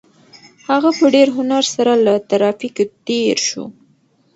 هغه په ډېر هنر سره له ترافیکو تېر شو.